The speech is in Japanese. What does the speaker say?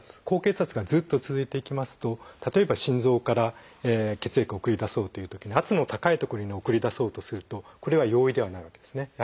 高血圧がずっと続いていきますと例えば心臓から血液を送り出そうというとき圧の高い所に送り出そうとするとこれは容易ではないわけですね。